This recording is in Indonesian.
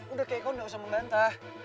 udah kay kau gak usah menggantah